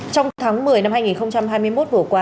trong tháng một mươi năm hai nghìn hai mươi một vừa qua